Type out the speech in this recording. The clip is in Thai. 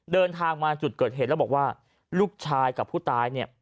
เดินทางมาจุดเกิดเหตุแล้วบอกว่าลูกชายกับผู้ตายเนี่ย